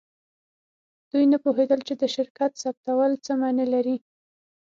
دوی نه پوهیدل چې د شرکت ثبتول څه معنی لري